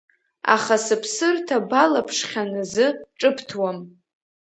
Аха сыԥсырҭа балаԥшхьан азы ҿыбҭуам.